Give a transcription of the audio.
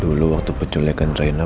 dulu waktu dia menculikkan raina